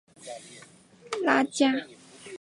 拉加尔代帕雷奥人口变化图示